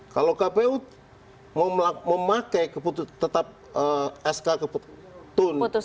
kalau kpu memakai tetap sk keputun